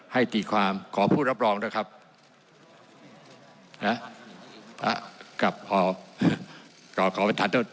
แต่ว่าเพื่อยืนยัน